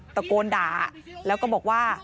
ตะโกนด่าแล้วก็บอกว่า